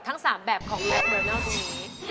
ทั้ง๓แบบของแม็กเดอร์เนลตรูนี้